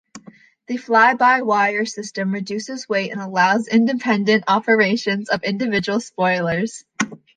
The fly-by-wire system reduces weight and allows independent operation of individual spoilers.